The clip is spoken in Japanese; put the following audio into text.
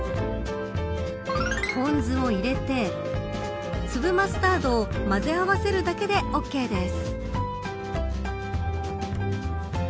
ポン酢を入れて粒マスタードを混ぜ合わせるだけでＯＫです。